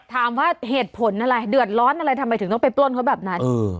ถามว่าเหตุผลอะไรเดือดร้อนอะไรทำไมถึงต้องไปปล้นเขาแบบนั้น